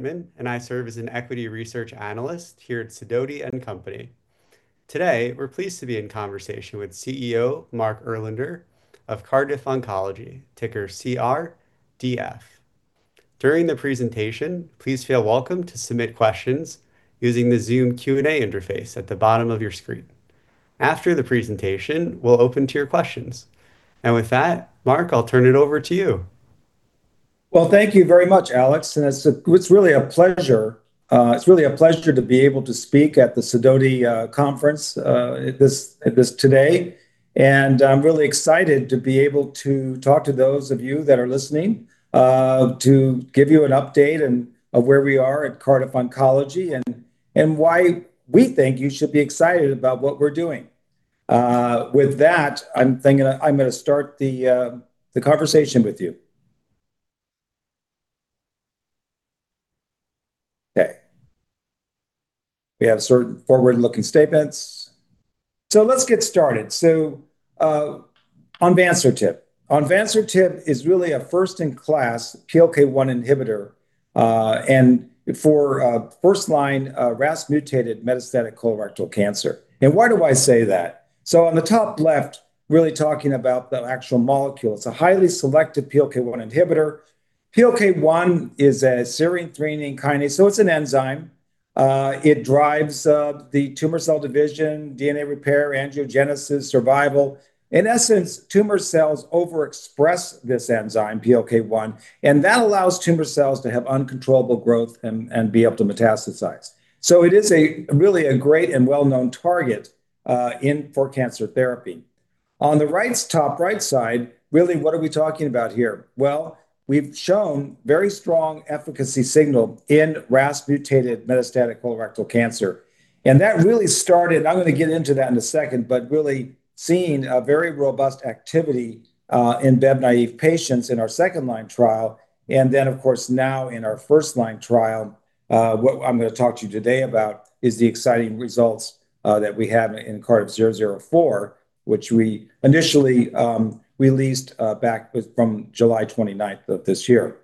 Alex, and I serve as an equity research analyst here at Sidoti & Company. Today, we're pleased to be in conversation with CEO Mark Erlander of Cardiff Oncology, ticker CRDF. During the presentation, please feel welcome to submit questions using the Zoom Q&A interface at the bottom of your screen. After the presentation, we'll open to your questions. And with that, Mark, I'll turn it over to you. Well, thank you very much, Alex. And it's really a pleasure. It's really a pleasure to be able to speak at the Sidoti Conference today. And I'm really excited to be able to talk to those of you that are listening, to give you an update of where we are at Cardiff Oncology and why we think you should be excited about what we're doing. With that, I'm going to start the conversation with you. Okay. We have certain forward-looking statements. So let's get started. So onvansertib. Onvansertib is really a first-in-class PLK1 inhibitor for first-line RAS-mutated metastatic colorectal cancer. And why do I say that? So on the top left, really talking about the actual molecule, it's a highly selective PLK1 inhibitor. PLK1 is a serine/threonine kinase, so it's an enzyme. It drives the tumor cell division, DNA repair, angiogenesis, survival. In essence, tumor cells overexpress this enzyme, PLK1, and that allows tumor cells to have uncontrollable growth and be able to metastasize. So it is really a great and well-known target for cancer therapy. On the top right side, really, what are we talking about here? Well, we've shown very strong efficacy signal in RAS-mutated metastatic colorectal cancer. And that really started, and I'm going to get into that in a second, but really seeing a very robust activity in Bev-naïve patients in our second-line trial. And then, of course, now in our first-line trial, what I'm going to talk to you today about is the exciting results that we have in CARDIV-004, which we initially released back from July 29th of this year.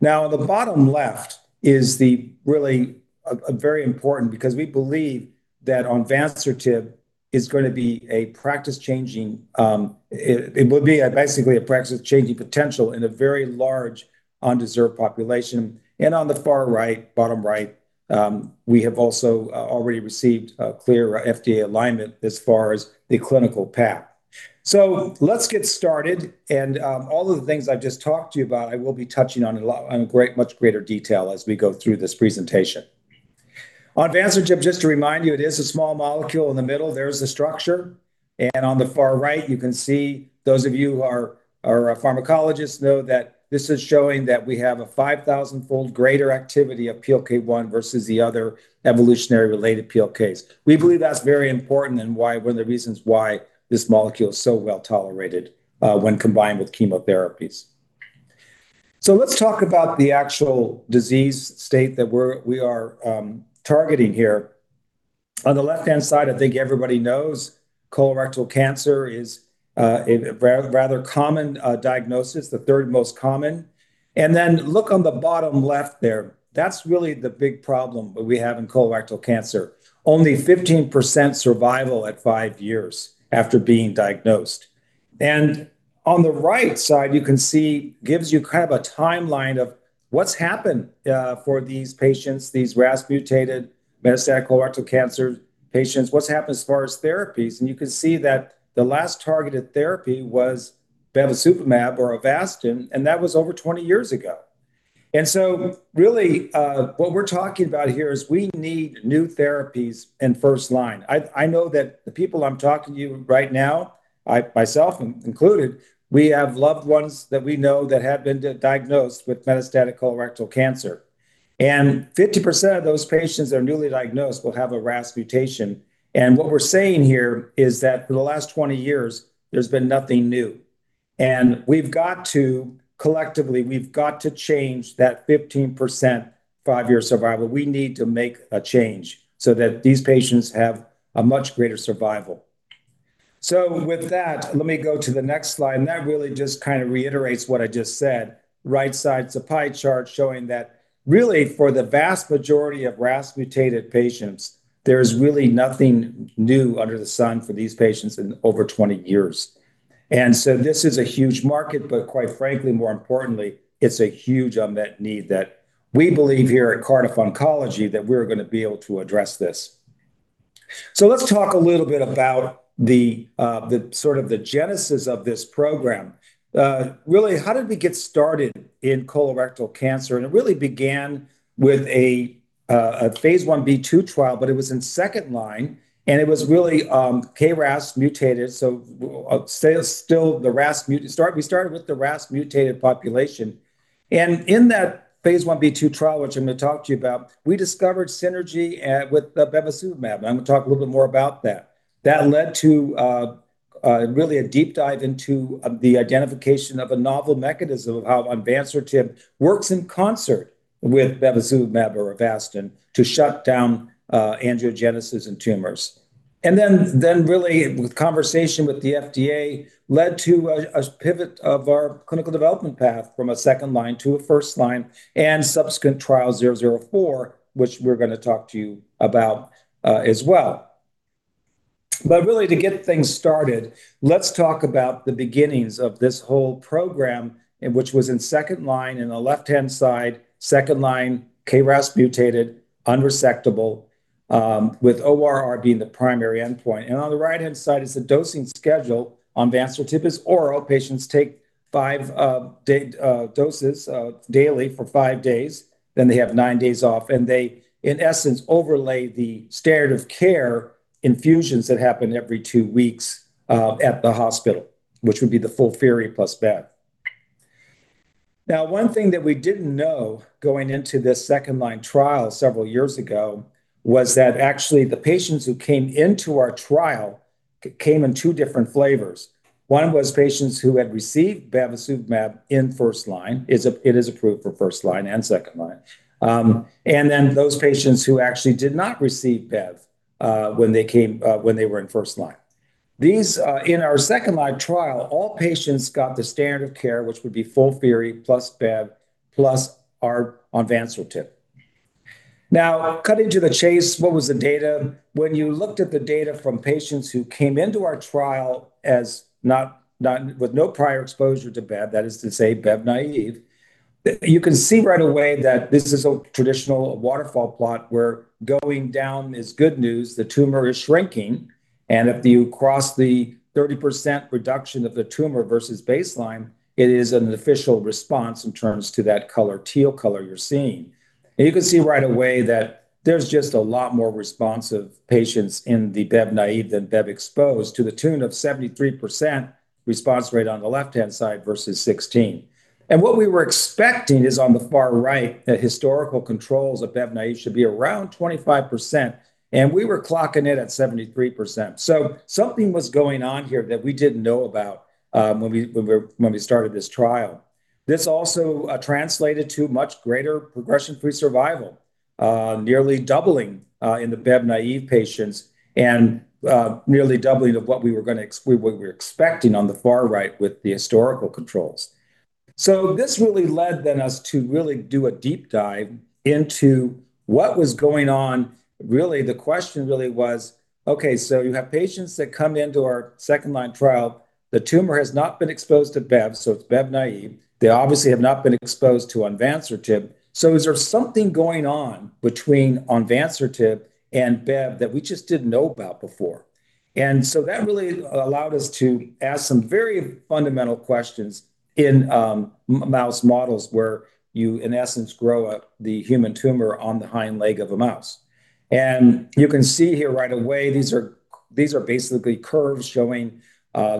Now, on the bottom left is really very important because we believe that onvansertib is going to be a practice-changing. It will be basically a practice-changing potential in a very large underserved population, and on the far right, bottom right, we have also already received clear FDA alignment as far as the clinical path, so let's get started, and all of the things I've just talked to you about, I will be touching on in much greater detail as we go through this presentation. Onvansertib, just to remind you, it is a small molecule in the middle. There's the structure, and on the far right, you can see those of you who are pharmacologists know that this is showing that we have a 5,000-fold greater activity of PLK1 versus the other evolutionary-related PLKs. We believe that's very important and one of the reasons why this molecule is so well tolerated when combined with chemotherapies. So let's talk about the actual disease state that we are targeting here. On the left-hand side, I think everybody knows colorectal cancer is a rather common diagnosis, the third most common. And then look on the bottom left there. That's really the big problem we have in colorectal cancer. Only 15% survival at five years after being diagnosed. And on the right side, you can see gives you kind of a timeline of what's happened for these patients, these RAS-mutated metastatic colorectal cancer patients, what's happened as far as therapies. And you can see that the last targeted therapy was bevacizumab or Avastin, and that was over 20 years ago. And so really, what we're talking about here is we need new therapies in first line. I know that the people I'm talking to right now, myself included, we have loved ones that we know that have been diagnosed with metastatic colorectal cancer. And 50% of those patients that are newly diagnosed will have a RAS mutation. And what we're saying here is that for the last 20 years, there's been nothing new. And we've got to collectively, we've got to change that 15% five-year survival. We need to make a change so that these patients have a much greater survival. So with that, let me go to the next slide. And that really just kind of reiterates what I just said. Right side's a pie chart showing that really for the vast majority of RAS-mutated patients, there is really nothing new under the sun for these patients in over 20 years. And so this is a huge market, but quite frankly, more importantly, it's a huge unmet need that we believe here at Cardiff Oncology that we're going to be able to address this. So let's talk a little bit about sort of the genesis of this program. Really, how did we get started in colorectal cancer? And it really began with a phase 1b/2 trial, but it was in second line. And it was really KRAS-mutated. So still the RAS, we started with the RAS-mutated population. And in that phase 1b/2 trial, which I'm going to talk to you about, we discovered synergy with bevacizumab. And I'm going to talk a little bit more about that. That led to really a deep dive into the identification of a novel mechanism of how onvansertib works in concert with bevacizumab or Avastin to shut down angiogenesis in tumors. And then really, with conversation with the FDA, led to a pivot of our clinical development path from a second line to a first line and subsequent trial 004, which we're going to talk to you about as well. But really, to get things started, let's talk about the beginnings of this whole program, which was in second line in the left-hand side, second line, KRAS mutated, unresectable, with ORR being the primary endpoint. And on the right-hand side is the dosing schedule. Onvansertib is oral. Patients take five doses daily for five days. Then they have nine days off. And they, in essence, overlay the standard of care infusions that happen every two weeks at the hospital, which would be the FOLFIRI + BEV. Now, one thing that we didn't know going into this second-line trial several years ago was that actually the patients who came into our trial came in two different flavors. One was patients who had received bevacizumab in first line. It is approved for first line and second line. And then those patients who actually did not receive bev when they were in first line. In our second-line trial, all patients got the standard of care, which would be FOLFIRI + bev + onvansertib. Now, cutting to the chase, what was the data? When you looked at the data from patients who came into our trial with no prior exposure to bev, that is to say bev-naïve, you can see right away that this is a traditional waterfall plot where going down is good news. The tumor is shrinking. If you cross the 30% reduction of the tumor versus baseline, it is an official response in terms of that teal color you're seeing. You can see right away that there's just a lot more responsive patients in the bev-naive than bev-exposed to the tune of 73% response rate on the left-hand side versus 16%. What we were expecting is on the far right, the historical controls ofbev-naive should be around 25%. We were clocking it at 73%. Something was going on here that we didn't know about when we started this trial. This also translated to much greater progression-free survival, nearly doubling in the bev-naive patients and nearly doubling of what we were expecting on the far right with the historical controls. This really led us then to really do a deep dive into what was going on. Really, the question really was, okay, so you have patients that come into our second-line trial. The tumor has not been exposed to bev, so it's bev-naive. They obviously have not been exposed to onvansertib. So is there something going on between onvansertib and bev that we just didn't know about before? And so that really allowed us to ask some very fundamental questions in mouse models where you, in essence, grow up the human tumor on the hind leg of a mouse. And you can see here right away, these are basically curves showing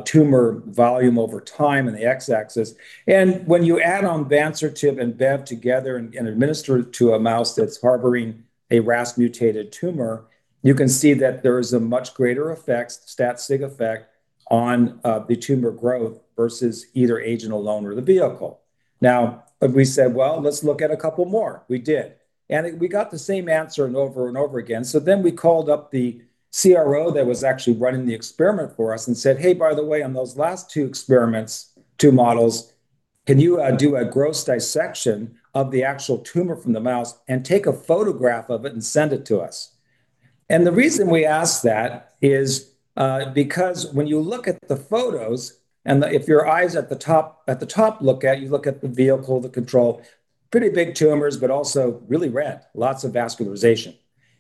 tumor volume over time in the x-axis. And when you add onvansertib and bev together and administer it to a mouse that's harboring a RAS-mutated tumor, you can see that there is a much greater effect, stat-sig effect on the tumor growth versus either agent alone or the vehicle. Now, we said, well, let's look at a couple more. We did. And we got the same answer over and over again. So then we called up the CRO that was actually running the experiment for us and said, hey, by the way, on those last two experiments, two models, can you do a gross dissection of the actual tumor from the mouse and take a photograph of it and send it to us? And the reason we asked that is because when you look at the photos, and if your eyes at the top look at, you look at the vehicle, the control, pretty big tumors, but also really red, lots of vascularization.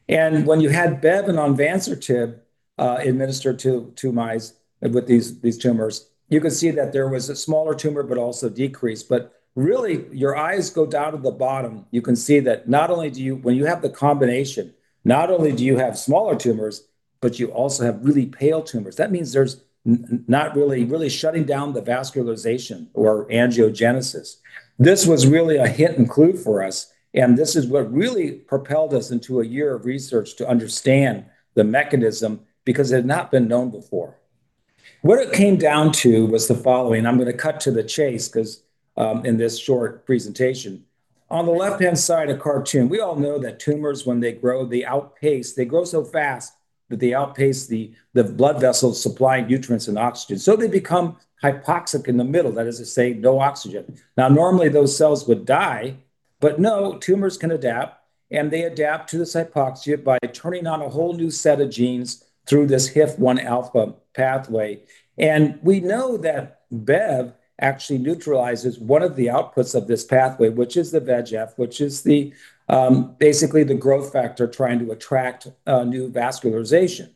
And when you had bev and onvansertib administered to mice with these tumors, you can see that there was a smaller tumor, but also decreased. But really, your eyes go down to the bottom. You can see that not only do you, when you have the combination, not only do you have smaller tumors, but you also have really pale tumors. That means there's not really shutting down the vascularization or angiogenesis. This was really a hit and clue for us, and this is what really propelled us into a year of research to understand the mechanism because it had not been known before. What it came down to was the following. I'm going to cut to the chase because in this short presentation. On the left-hand side, a cartoon. We all know that tumors, when they grow, they outpace. They grow so fast that they outpace the blood vessels supplying nutrients and oxygen. So they become hypoxic in the middle. That is to say, no oxygen. Now, normally, those cells would die, but no, tumors can adapt. And they adapt to this hypoxia by turning on a whole new set of genes through this HIF-1 alpha pathway. And we know that bev actually neutralizes one of the outputs of this pathway, which is the VEGF, which is basically the growth factor trying to attract new vascularization.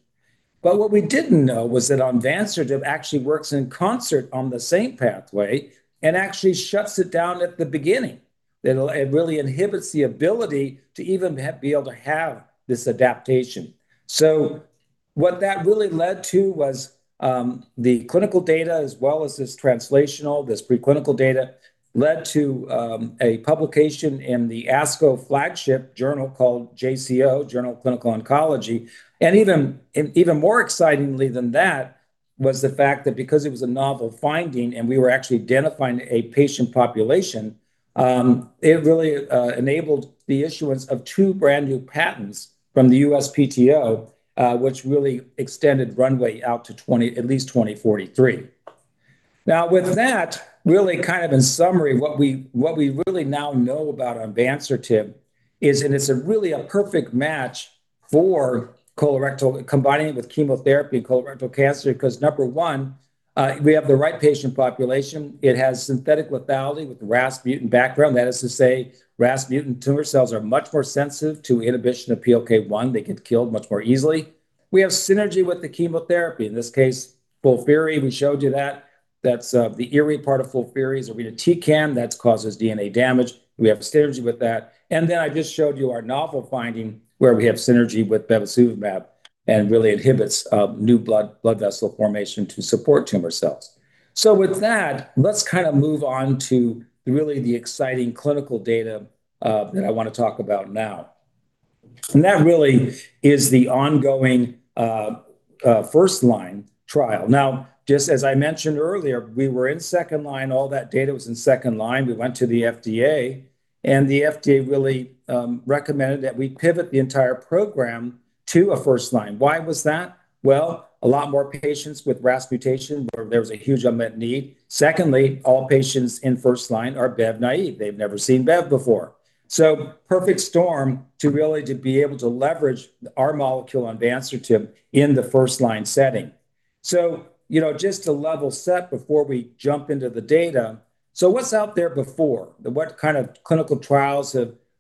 But what we didn't know was that onvansertib actually works in concert on the same pathway and actually shuts it down at the beginning. It really inhibits the ability to even be able to have this adaptation. So what that really led to was the clinical data as well as this translational, this preclinical data led to a publication in the ASCO flagship journal called JCO, Journal of Clinical Oncology. And even more excitingly than that was the fact that because it was a novel finding and we were actually identifying a patient population, it really enabled the issuance of two brand new patents from the USPTO, which really extended runway out to at least 2043. Now, with that, really kind of in summary, what we really now know about onvansertib is, and it's really a perfect match for combining it with chemotherapy and colorectal cancer because, number one, we have the right patient population. It has synthetic lethality with RAS mutant background. That is to say, RAS mutant tumor cells are much more sensitive to inhibition of PLK1. They get killed much more easily. We have synergy with the chemotherapy. In this case, FOLFIRI, we showed you that. That's the IRI part of FOLFIRI is irinotecan that causes DNA damage. We have synergy with that. Then I just showed you our novel finding where we have synergy with bevacizumab and really inhibits new blood vessel formation to support tumor cells. With that, let's kind of move on to really the exciting clinical data that I want to talk about now. That really is the ongoing first-line trial. Now, just as I mentioned earlier, we were in second line. All that data was in second line. We went to the FDA. The FDA really recommended that we pivot the entire program to a first line. Why was that? A lot more patients with RAS mutation, there was a huge unmet need. Secondly, all patients in first line are bev-naive. They've never seen bev before. Perfect storm to really be able to leverage our molecule onvansertib in the first-line setting. Just to level set before we jump into the data, so what's out there before? What kind of clinical trials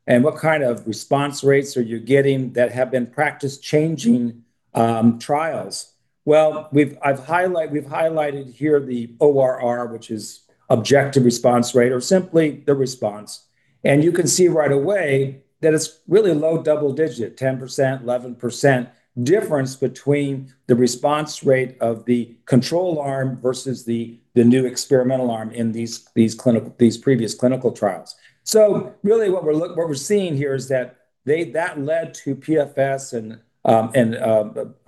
and what kind of response rates are you getting that have been practice-changing trials? We've highlighted here the ORR, which is objective response rate or simply the response. And you can see right away that it's really low double-digit, 10%, 11% difference between the response rate of the control arm versus the new experimental arm in these previous clinical trials. Really, what we're seeing here is that led to PFS and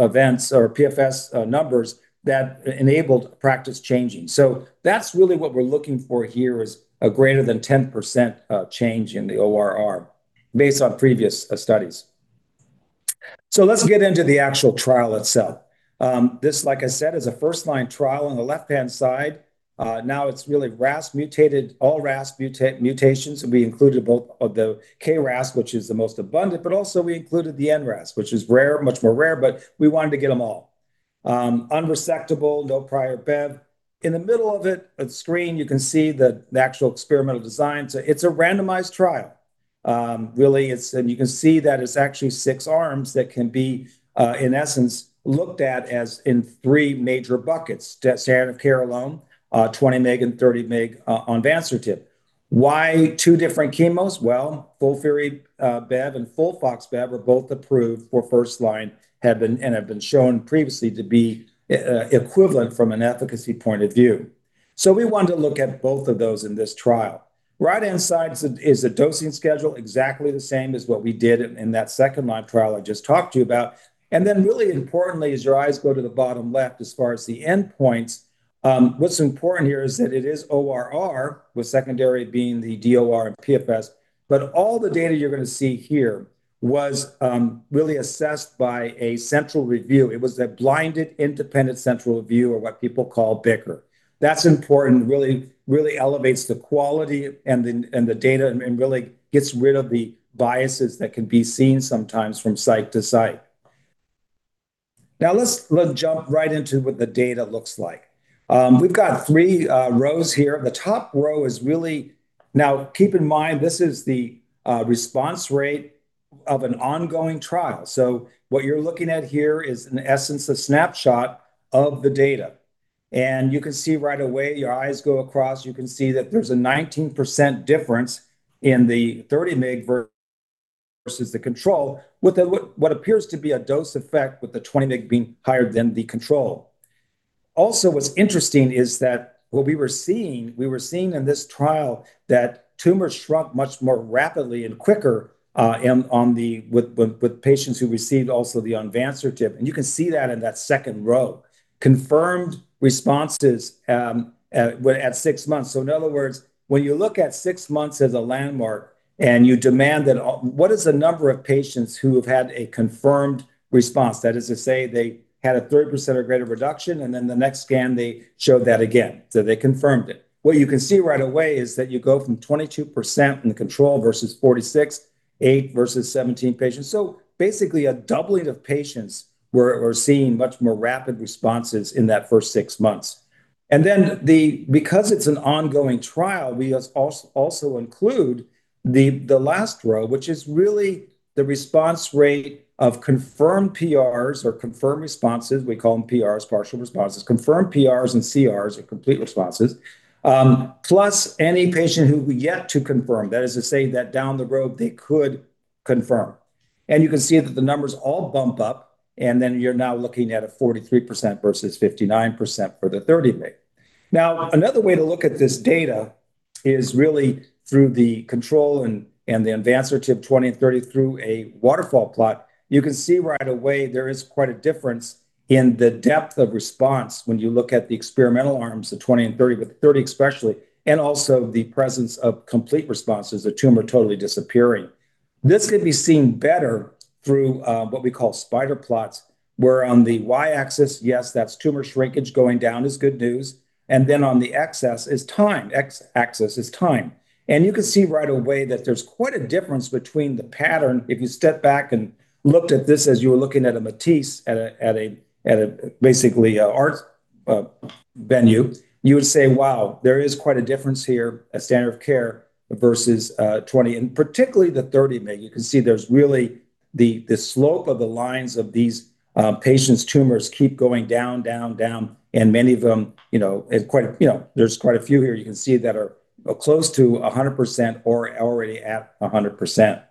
events or PFS numbers that enabled practice changing. That's really what we're looking for here is a greater than 10% change in the ORR based on previous studies. Let's get into the actual trial itself. This, like I said, is a first-line trial on the left-hand side. Now, it's really all RAS mutations. We included both the KRAS, which is the most abundant, but also we included the NRAS, which is rare, much more rare, but we wanted to get them all. Unresectable, no prior bev. In the middle of it, a screen, you can see the actual experimental design, so it's a randomized trial. Really, you can see that it's actually six arms that can be, in essence, looked at as in three major buckets: standard of care alone, 20 mg, and 30 mg onvansertib. Why two different chemos? Well, FOLFIRI, bev, and FOLFOX bev are both approved for first line and have been shown previously to be equivalent from an efficacy point of view, so we wanted to look at both of those in this trial. Right-hand side is a dosing schedule exactly the same as what we did in that second-line trial I just talked to you about. And then really importantly, as your eyes go to the bottom left as far as the endpoints, what's important here is that it is ORR, with secondary being the DOR and PFS. But all the data you're going to see here was really assessed by a central review. It was a blinded independent central review or what people call BICR. That's important. Really elevates the quality and the data and really gets rid of the biases that can be seen sometimes from site to site. Now, let's jump right into what the data looks like. We've got three rows here. The top row is really now, keep in mind, this is the response rate of an ongoing trial. So what you're looking at here is, in essence, a snapshot of the data. You can see right away. Your eyes go across. You can see that there's a 19% difference in the 30 mg versus the control with what appears to be a dose effect with the 20 mg being higher than the control. Also, what's interesting is that what we were seeing, we were seeing in this trial that tumors shrunk much more rapidly and quicker with patients who received also the onvansertib. And you can see that in that second row. Confirmed responses at six months. So in other words, when you look at six months as a landmark and you demand that, what is the number of patients who have had a confirmed response? That is to say, they had a 30% or greater reduction, and then the next scan, they showed that again. So they confirmed it. What you can see right away is that you go from 22% in the control versus 46%, 8 versus 17 patients. So basically, a doubling of patients were seeing much more rapid responses in that first six months, and then because it's an ongoing trial, we also include the last row, which is really the response rate of confirmed PRs or confirmed responses. We call them PRs, partial responses. Confirmed PRs and CRs are complete responses, + any patient who we yet to confirm. That is to say that down the road, they could confirm, and you can see that the numbers all bump up, and then you're now looking at a 43% versus 59% for the 30 mg. Now, another way to look at this data is really through the control and the onvansertib 20 and 30 through a waterfall plot. You can see right away there is quite a difference in the depth of response when you look at the experimental arms, the 20 and 30, but the 30 especially, and also the presence of complete responses, the tumor totally disappearing. This can be seen better through what we call spider plots, where on the y-axis, yes, that's tumor shrinkage going down is good news. And then on the x-axis is time. And you can see right away that there's quite a difference between the pattern. If you step back and looked at this as you were looking at a Matisse at a basically art venue, you would say, wow, there is quite a difference here, a standard of care versus 20, and particularly the 30 mg. You can see there's really the slope of the lines of these patients' tumors keep going down, down, down, and many of them, there's quite a few here you can see that are close to 100% or already at 100%.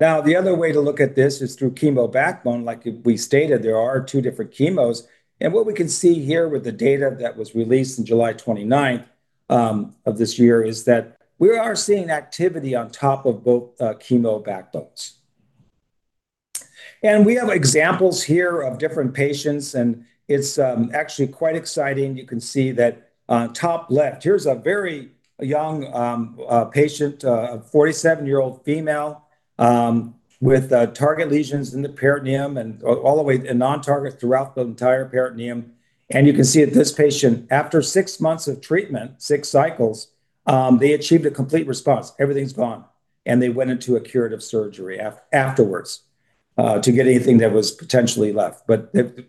Now, the other way to look at this is through chemo backbone. Like we stated, there are two different chemos, and what we can see here with the data that was released on July 29th of this year is that we are seeing activity on top of both chemo backbones, and we have examples here of different patients, and it's actually quite exciting. You can see that on top left, here's a very young patient, a 47-year-old female with target lesions in the peritoneum and all the way and non-target throughout the entire peritoneum. You can see that this patient, after six months of treatment, six cycles, they achieved a complete response. Everything's gone. They went into a curative surgery afterwards to get anything that was potentially left.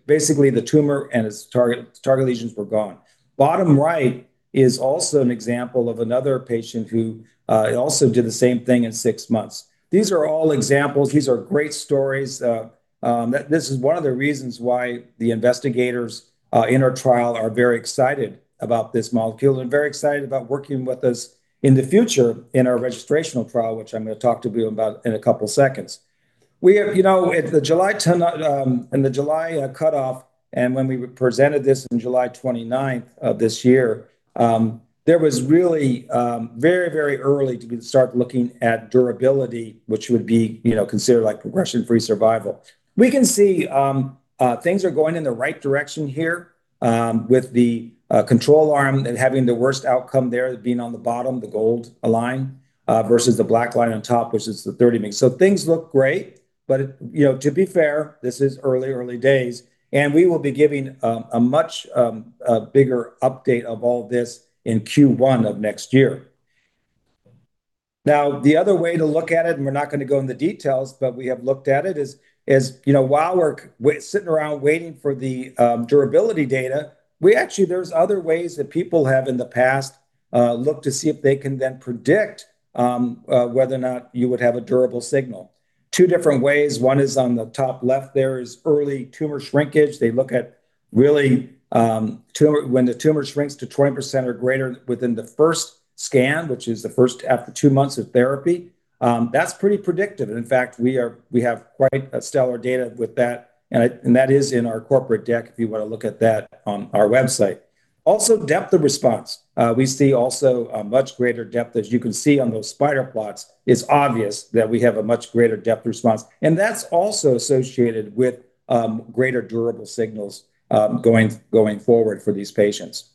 Basically, the tumor and its target lesions were gone. Bottom right is also an example of another patient who also did the same thing in six months. These are all examples. These are great stories. This is one of the reasons why the investigators in our trial are very excited about this molecule and very excited about working with us in the future in our registrational trial, which I'm going to talk to you about in a couple of seconds. At the July cutoff, and when we presented this on July 29th of this year, there was really very, very early to start looking at durability, which would be considered like progression-free survival. We can see things are going in the right direction here with the control arm and having the worst outcome there being on the bottom, the gold line versus the black line on top, which is the 30 mg. So things look great, but to be fair, this is early, early days, and we will be giving a much bigger update of all this in Q1 of next year. Now, the other way to look at it, and we're not going to go into details, but we have looked at it. It is while we're sitting around waiting for the durability data, we actually, there's other ways that people have in the past looked to see if they can then predict whether or not you would have a durable signal. Two different ways. One is on the top left. There is early tumor shrinkage. They look at really when the tumor shrinks to 20% or greater within the first scan, which is the first after two months of therapy. That's pretty predictive. In fact, we have quite stellar data with that. And that is in our corporate deck if you want to look at that on our website. Also, depth of response. We see also a much greater depth, as you can see on those spider plots. It's obvious that we have a much greater depth response. And that's also associated with greater durable signals going forward for these patients.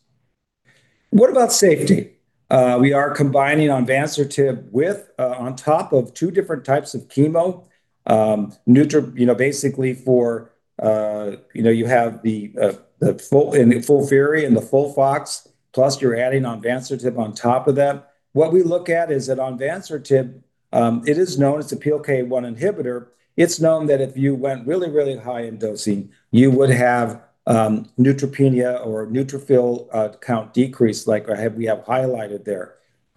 What about safety? We are combining onvansertib on top of two different types of chemo, basically, you have the FOLFIRI and the FOLFOX, + you're adding onvansertib on top of that. What we look at is that onvansertib, it is known as a PLK1 inhibitor. It's known that if you went really, really high in dosing, you would have neutropenia or neutrophil count decrease, like we have highlighted there.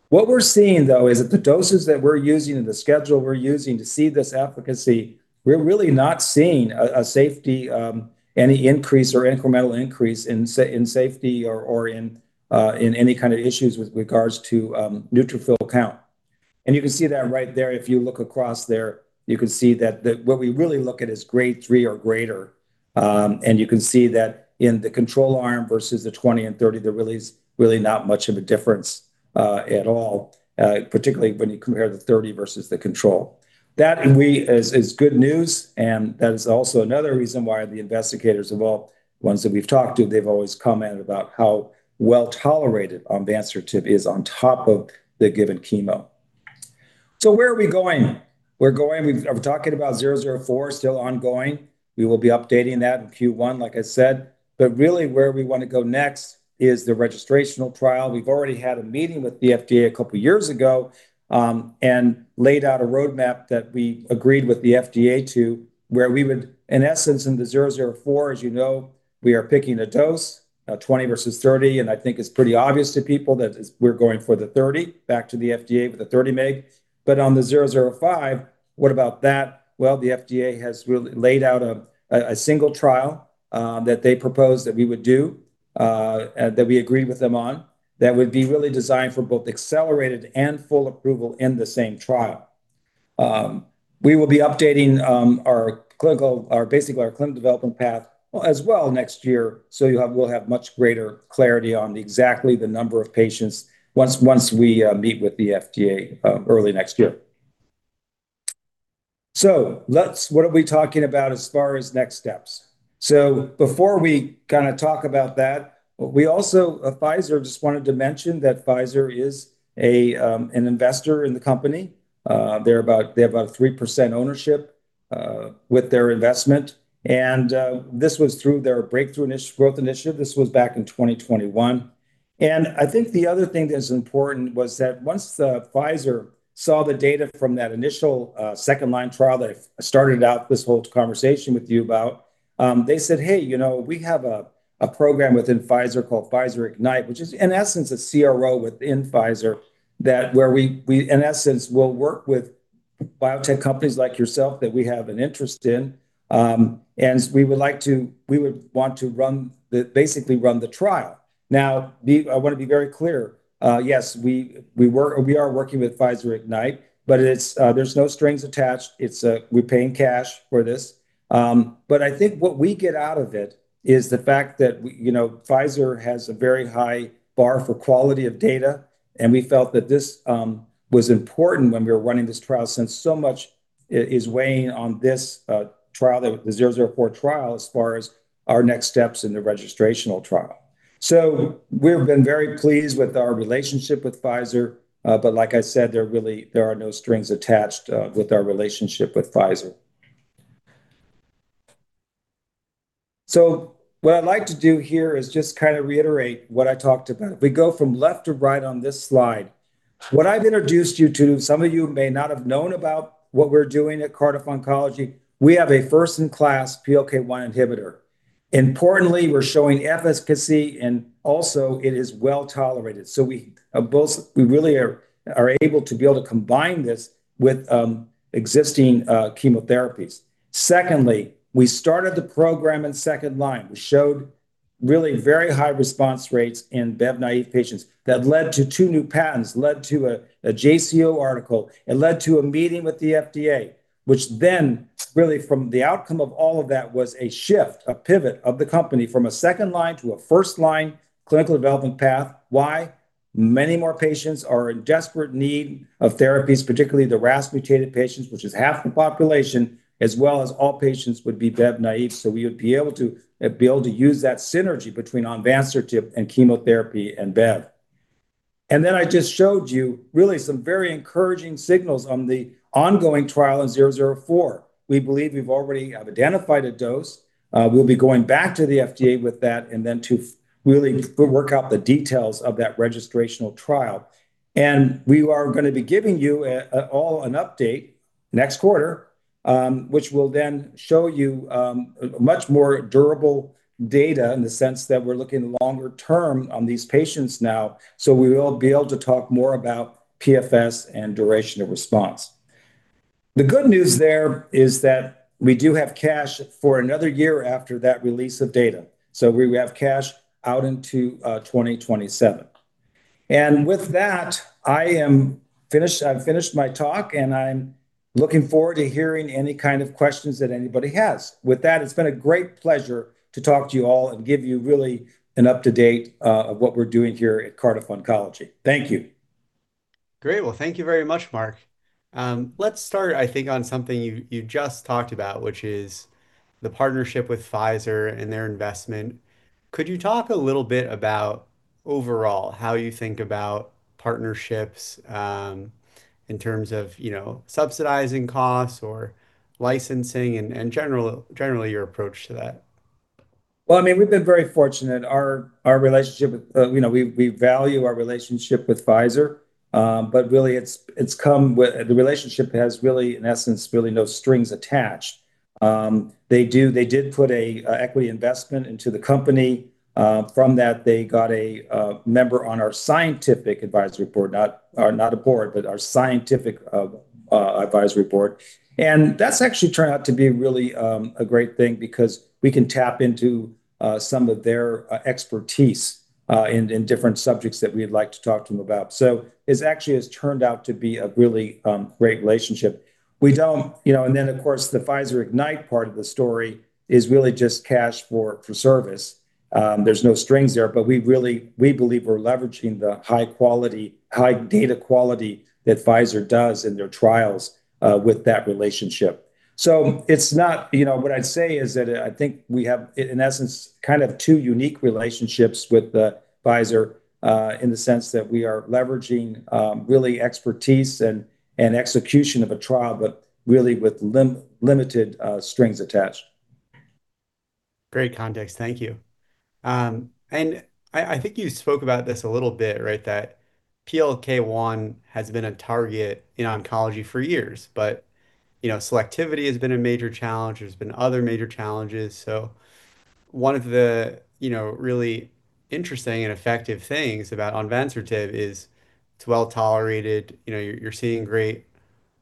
What we're seeing, though, is that the doses that we're using and the schedule we're using to see this efficacy, we're really not seeing any increase or incremental increase in safety or in any kind of issues with regards to neutrophil count. And you can see that right there. If you look across there, you can see that what we really look at is grade 3 or greater. And you can see that in the control arm versus the 20 and 30, there really is really not much of a difference at all, particularly when you compare the 30 versus the control. That is good news. And that is also another reason why the investigators, of all ones that we've talked to, they've always commented about how well tolerated onvansertib is on top of the given chemo. So where are we going? We're talking about 004, still ongoing. We will be updating that in Q1, like I said. But really, where we want to go next is the registrational trial. We've already had a meeting with the FDA a couple of years ago and laid out a roadmap that we agreed with the FDA to, where we would, in essence, in the 004, as you know, we are picking a dose, 20 versus 30. And I think it's pretty obvious to people that we're going for the 30, back to the FDA with the 30 mg. But on the 005, what about that? The FDA has laid out a single trial that they proposed that we would do and that we agreed with them on that would be really designed for both accelerated and full approval in the same trial. We will be updating our basically clinical development path as well next year. So we'll have much greater clarity on exactly the number of patients once we meet with the FDA early next year. So what are we talking about as far as next steps? So before we kind of talk about that, we also at Pfizer just wanted to mention that Pfizer is an investor in the company. They have about a 3% ownership with their investment. And this was through their breakthrough growth initiative. This was back in 2021. I think the other thing that's important was that once Pfizer saw the data from that initial second-line trial that I started out this whole conversation with you about, they said, "Hey, we have a program within Pfizer called Pfizer Ignite," which is, in essence, a CRO within Pfizer where we, in essence, will work with biotech companies like yourself that we have an interest in. And we would like to basically run the trial. Now, I want to be very clear. Yes, we are working with Pfizer Ignite, but there's no strings attached. We're paying cash for this. But I think what we get out of it is the fact that Pfizer has a very high bar for quality of data. We felt that this was important when we were running this trial since so much is weighing on this trial, the 004 trial, as far as our next steps in the registrational trial. We've been very pleased with our relationship with Pfizer. Like I said, there are no strings attached with our relationship with Pfizer. What I'd like to do here is just kind of reiterate what I talked about. If we go from left to right on this slide, what I've introduced you to, some of you may not have known about what we're doing at Cardiff Oncology. We have a first-in-class PLK1 inhibitor. Importantly, we're showing efficacy, and also, it is well tolerated. We really are able to combine this with existing chemotherapies. Secondly, we started the program in second line. We showed really very high response rates in bev-naive patients. That led to two new patents, led to a JCO article. It led to a meeting with the FDA, which then really, from the outcome of all of that, was a shift, a pivot of the company from a second-line to a first-line clinical development path. Why? Many more patients are in desperate need of therapies, particularly the RAS-mutated patients, which is half the population, as well as all patients would be BEV-naive. So we would be able to use that synergy between onvansertib and chemotherapy and BEV. And then I just showed you really some very encouraging signals on the ongoing trial in 004. We believe we've already identified a dose. We'll be going back to the FDA with that and then to really work out the details of that registrational trial. And we are going to be giving you all an update next quarter, which will then show you much more durable data in the sense that we're looking longer term on these patients now. So we will be able to talk more about PFS and duration of response. The good news there is that we do have cash for another year after that release of data. So we have cash out into 2027. And with that, I've finished my talk, and I'm looking forward to hearing any kind of questions that anybody has. With that, it's been a great pleasure to talk to you all and give you really an up-to-date of what we're doing here at Cardiff Oncology. Thank you. Great. Well, thank you very much, Mark. Let's start, I think, on something you just talked about, which is the partnership with Pfizer and their investment. Could you talk a little bit about overall how you think about partnerships in terms of subsidizing costs or licensing and generally your approach to that? I mean, we've been very fortunate. Our relationship, we value our relationship with Pfizer. But really, the relationship has really, in essence, really no strings attached. They did put an equity investment into the company. From that, they got a member on our scientific advisory board, not a board, but our scientific advisory board. And that's actually turned out to be really a great thing because we can tap into some of their expertise in different subjects that we'd like to talk to them about. So it actually has turned out to be a really great relationship. And then, of course, the Pfizer Ignite part of the story is really just cash for service. There's no strings there. But we believe we're leveraging the high data quality that Pfizer does in their trials with that relationship. So what I'd say is that I think we have, in essence, kind of two unique relationships with Pfizer in the sense that we are leveraging really expertise and execution of a trial, but really with limited strings attached. Great context. Thank you. And I think you spoke about this a little bit, right, that PLK1 has been a target in oncology for years. But selectivity has been a major challenge. There's been other major challenges. So one of the really interesting and effective things about onvansertib is it's well tolerated. You're seeing great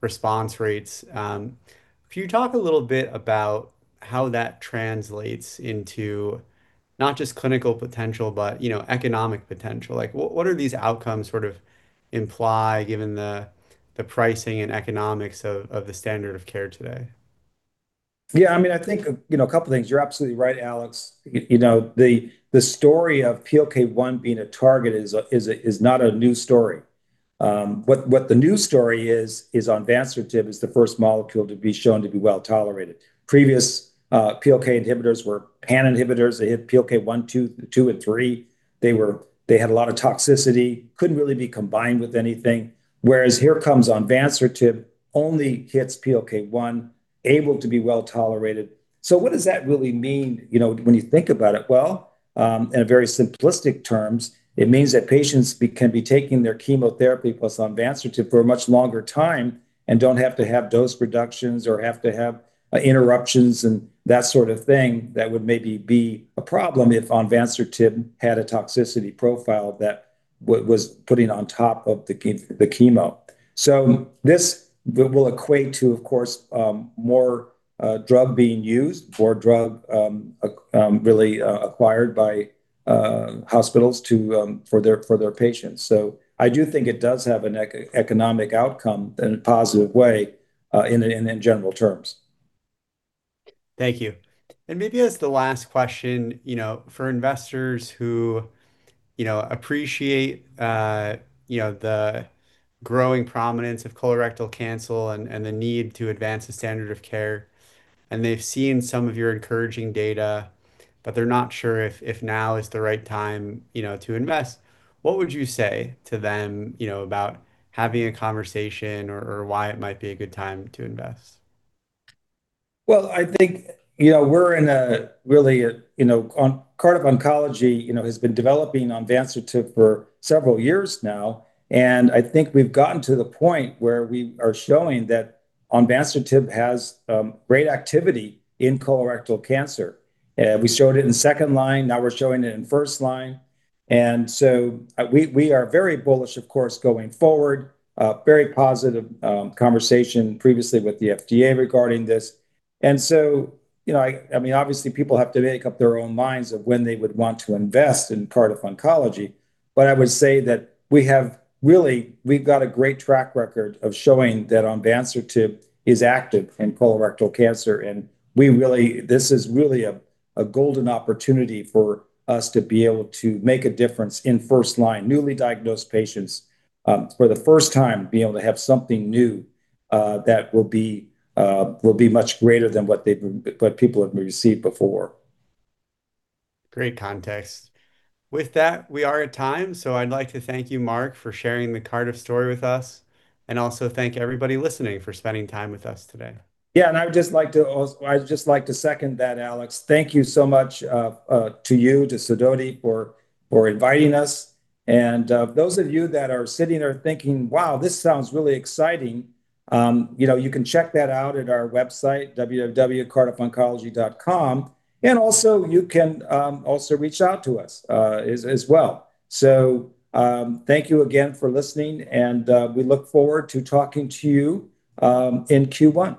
response rates. Can you talk a little bit about how that translates into not just clinical potential, but economic potential? What do these outcomes sort of imply given the pricing and economics of the standard of care today? Yeah. I mean, I think a couple of things. You're absolutely right, Alex. The story of PLK1 being a target is not a new story. What the new story is, is onvansertib is the first molecule to be shown to be well tolerated. Previous PLK inhibitors were pan inhibitors. They hit PLK1, 2, and 3. They had a lot of toxicity. Couldn't really be combined with anything. Whereas here comes onvansertib, only hits PLK1, able to be well tolerated. So what does that really mean when you think about it? Well, in very simplistic terms, it means that patients can be taking their chemotherapy + onvansertib for a much longer time and don't have to have dose reductions or have to have interruptions and that sort of thing that would maybe be a problem if onvansertib had a toxicity profile that was putting on top of the chemo. So this will equate to, of course, more drug being used or drug really acquired by hospitals for their patients. So I do think it does have an economic outcome in a positive way in general terms. Thank you. And maybe as the last question, for investors who appreciate the growing prominence of colorectal cancer and the need to advance the standard of care, and they've seen some of your encouraging data, but they're not sure if now is the right time to invest, what would you say to them about having a conversation or why it might be a good time to invest? Well, I think we're in a really Cardiff Oncology has been developing onvansertib for several years now, and I think we've gotten to the point where we are showing that onvansertib has great activity in colorectal cancer. We showed it in second line. Now we're showing it in first line, and so we are very bullish, of course, going forward. Very positive conversation previously with the FDA regarding this, and so, I mean, obviously, people have to make up their own minds of when they would want to invest in Cardiff Oncology, but I would say that we have really got a great track record of showing that onvansertib is active in colorectal cancer. This is really a golden opportunity for us to be able to make a difference in first line, newly diagnosed patients for the first time being able to have something new that will be much greater than what people have received before. Great context. With that, we are at time. So I'd like to thank you, Mark, for sharing the Cardiff story with us. And also thank everybody listening for spending time with us today. Yeah. And I would just like to second that, Alex. Thank you so much to you, to Sidoti, for inviting us. And those of you that are sitting there thinking, "Wow, this sounds really exciting," you can check that out at our website, www.cardiffoncology.com. And also, you can also reach out to us as well. So thank you again for listening, and we look forward to talking to you in Q1.